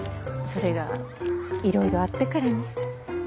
それがいろいろあってからに。